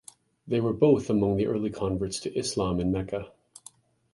They were both among the early converts to Islam in Mecca.